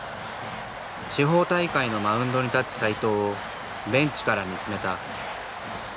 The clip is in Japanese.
地方大会のマウンドに立つ斎藤をベンチから見つめた。